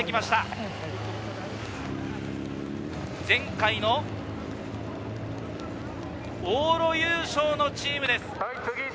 前回の往路優勝のチームです。